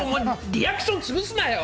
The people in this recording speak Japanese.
リアクション潰すなよ。